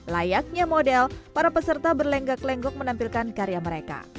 layaknya model para peserta berlenggak lenggok menampilkan karya mereka